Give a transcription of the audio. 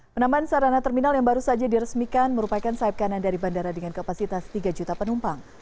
penambahan sarana terminal yang baru saja diresmikan merupakan sayap kanan dari bandara dengan kapasitas tiga juta penumpang